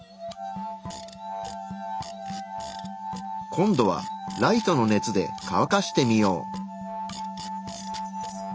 今度はライトの熱でかわかしてみよう。